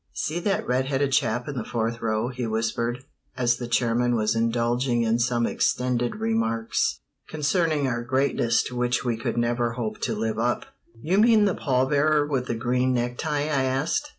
"See that red headed chap in the fourth row?" he whispered, as the chairman was indulging in some extended remarks concerning our greatness to which we could never hope to live up. "You mean the pall bearer with the green necktie?" I asked.